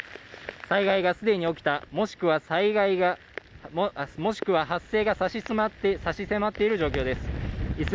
災害が既に起きた、もしくは発生が差し迫っている状況です。